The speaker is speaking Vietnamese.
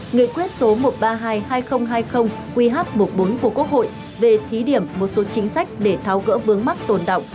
nghị quyết số một trăm ba mươi hai hai nghìn hai mươi qh một mươi bốn của quốc hội về thí điểm một số chính sách để tháo gỡ vướng mắc tồn động